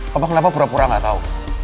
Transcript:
papa kenapa pura pura gak tau